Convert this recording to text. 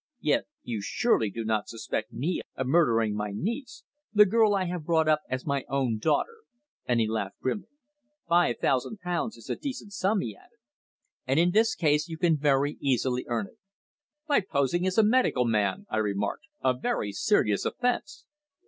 Yet you surely do not suspect me of murdering my niece the girl I have brought up as my own daughter," and he laughed grimly. "Five thousand pounds is a decent sum," he added. "And in this case you can very easily earn it." "By posing as a medical man," I remarked. "A very serious offence!"